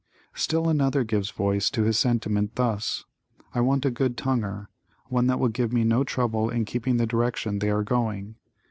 Still another gives voice to his sentiment thus: I want a good tonguer, one that will give me no trouble in keeping the direction they are going.